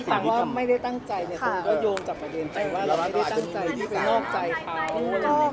คำว่าไม่ได้ตั้งใจท่านรู้มักยงจัดประเด็น